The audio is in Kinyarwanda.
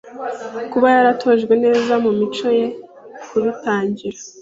kuba yaratojwe neza mumico ye Kubitangira